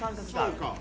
そうか。